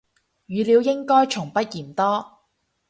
語料應該從不嫌多